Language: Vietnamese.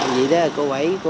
vì đó là cô bảy có